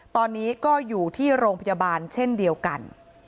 ตอนนี้ก็อยู่ที่โรงพยาบาลเช่นเดียวกัน